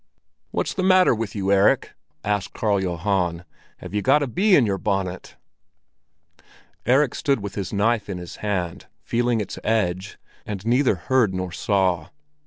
"What's the matter with you, Erik?" asked Karl Johan. "Have you got a bee in your bonnet?" Erik stood with his knife in his hand, feeling its edge, and neither heard nor saw.